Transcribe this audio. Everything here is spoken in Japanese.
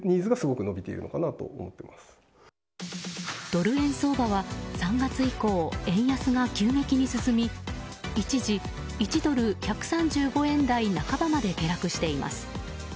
ドル円相場は３月以降、円安が急激に進み一時１ドル＝１３５円台半ばまで下落しています。